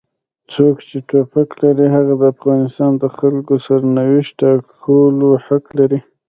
څوک چې ټوپک لري هغه د افغانستان د خلکو د سرنوشت ټاکلو حق لري.